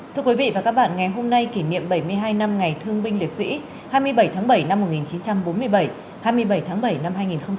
thưa quý vị và các bạn ngày hôm nay kỷ niệm bảy mươi hai năm ngày thương binh liệt sĩ hai mươi bảy tháng bảy năm một nghìn chín trăm bốn mươi bảy hai mươi bảy tháng bảy năm hai nghìn hai mươi